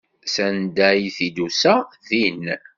Anda t-id-tusa din.